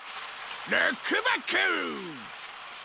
ルックバック！